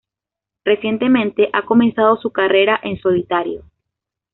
Recientemente ha comenzado su carrera en solitario.